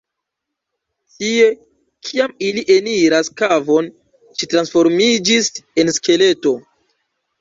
Tie, kiam ili eniras kavon, ŝi transformiĝis en skeleto.